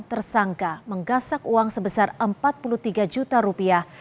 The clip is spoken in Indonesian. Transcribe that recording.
tersangka menggasak uang sebesar empat puluh tiga juta rupiah